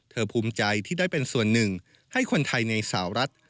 ภูมิใจที่ได้เป็นส่วนหนึ่งให้คนไทยในสาวรัฐ